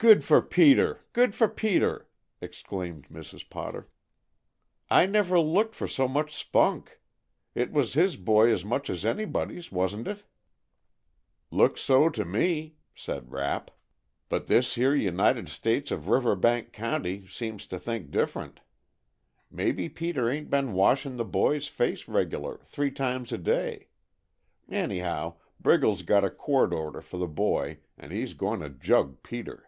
"Good for Peter! Good for Peter!" exclaimed Mrs. Potter. "I never looked for so much spunk. It was his boy as much as anybody's, wasn't it?" "Looks so to me," said Rapp, "but this here United States of Riverbank County seems to think different. Maybe Peter ain't been washin' the boy's face regular, three times a day. Anyhow, Briggles got a court order for the boy and he's goin' to jug Peter."